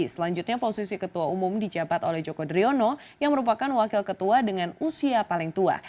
selanjutnya posisi ketua umum dijabat oleh joko driono yang merupakan wakil ketua dengan usia paling tua